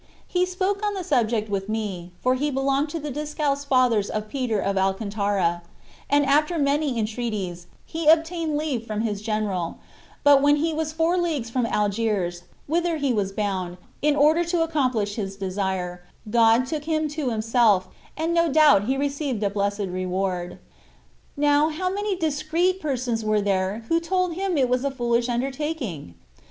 He spoke on the subject with me (for he belonged to the Discalced Fathers of Peter of Al cantara) ; and, after many entreaties, he obtained leave from his general : but when he was four leagues from Algiers (whither he was bound, in order to accomplish his desire), God took him to Himself, and no doubt he received a blessed re ward. Now, how many discreet persons were there who told him it was a foolish undertaking?